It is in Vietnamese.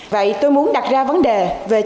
vậy tôi muốn đặt ra vấn đề về chất lượng